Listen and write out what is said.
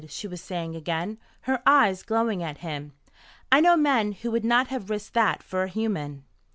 she was saying again, her eyes glowing at him. "I know men who would not have risked that for a human!"